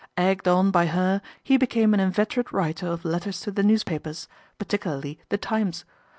Egged on by her he became an inveterate writer of letters to the newspapers, particularly The Times.